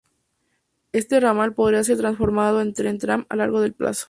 Este ramal podría ser transformado en tren-tram a largo plazo.